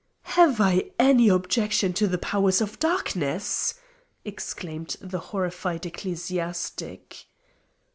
"Have I any objection to the powers of Darkness?" exclaimed the horrified ecclesiastic.